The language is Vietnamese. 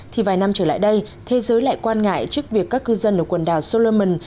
thì vài năm trở lại đây thế giới lại quan ngại trước việc các cư dân ở quần đảo soluman